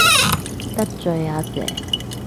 得罪阿姐